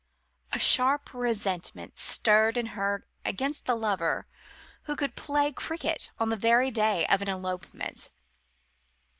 A sharp resentment stirred in her against the lover who could play cricket on the very day of an elopement.